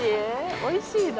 おいしいの？